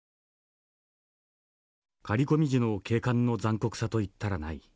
「狩り込み時の警官の残酷さといったらない。